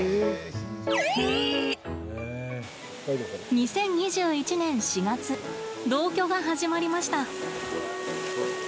２０２１年４月同居が始まりました。